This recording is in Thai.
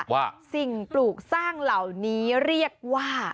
ว่าสิ่งปลูกสร้างเหล่านี้เรียกว่า